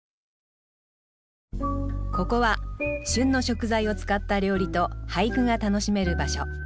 ここは旬の食材を使った料理と俳句が楽しめる場所。